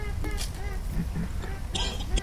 زه بايد پاکوالي وساتم!